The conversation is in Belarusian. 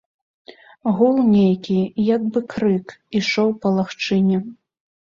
Гул нейкі, як бы крык, ішоў па лагчыне.